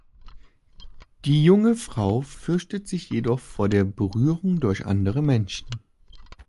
Die junge Frau fürchtet sich jedoch vor der Berührung durch andere Menschen.